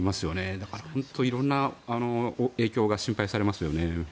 だから本当に色んな影響が心配されますよね。